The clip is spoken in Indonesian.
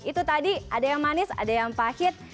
itu tadi ada yang manis ada yang pahit